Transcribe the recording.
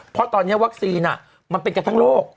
เพราะตอนนี้วัคซีนมันเป็นกันทั้งโลก